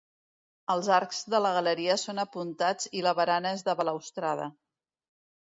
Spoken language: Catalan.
Els arcs de la galeria són apuntats i la barana és de balustrada.